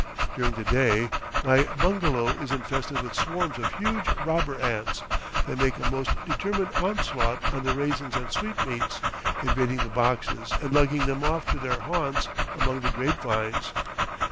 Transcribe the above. During the day my bungalow is infested with swarms of huge robber ants, that make a most determined onslaught on the raisins and sweetmeats, invading the boxes and lugging them off to their haunts among the grape vines.